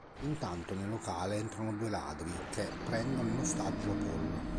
Intanto nel locale entrano due ladri, che prendono in ostaggio Paul.